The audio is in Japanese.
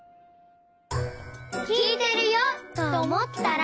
きいてるよとおもったら。